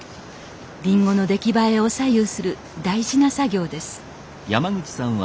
リンゴの出来栄えを左右する大事な作業です